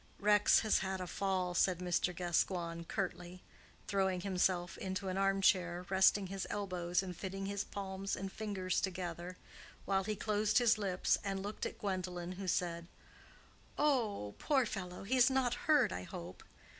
"Rex has had a fall," said Mr. Gascoigne, curtly, throwing himself into an arm chair resting his elbows and fitting his palms and fingers together, while he closed his lips and looked at Gwendolen, who said, "Oh, poor fellow! he is not hurt, I hope?"